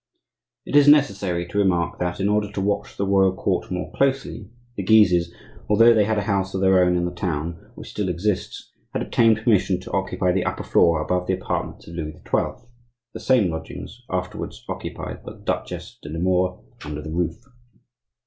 It is necessary to remark that, in order to watch the royal court more closely, the Guises, although they had a house of their own in the town, which still exists, had obtained permission to occupy the upper floor above the apartments of Louis XII., the same lodgings afterwards occupied by the Duchesse de Nemours under the roof.